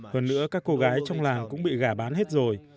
hơn nữa các cô gái trong làng cũng bị gả bán hết rồi